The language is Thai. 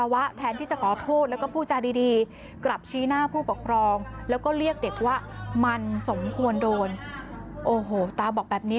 เหมือนกันเนี่ยนะคะ